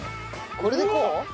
これでこう？